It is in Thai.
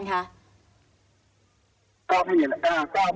ก็ไม่ได้สงสัยหรอกพอดีมาดูข่าวอีกทีครับ